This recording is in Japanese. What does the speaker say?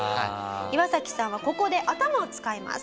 イワサキさんはここで頭を使います。